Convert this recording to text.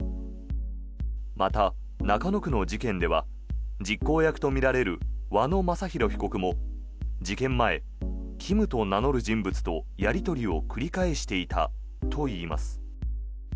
また、中野区の事件では実行役とみられる和野正弘被告も事件前、キムと名乗る人物とやり取りを繰り返していたといいます。